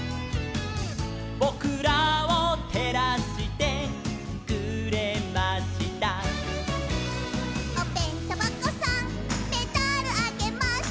「ぼくらをてらしてくれました」「おべんとばこさんメダルあげます」